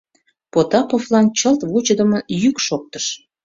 — Потаповлан чылт вучыдымын йӱк шоктыш.